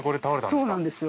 そうなんですよ。